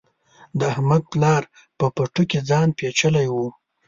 د حميد پلار په پټو کې ځان پيچلی و.